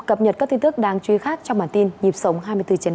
cập nhật các tin tức đáng chú ý khác trong bản tin nhịp sống hai mươi bốn h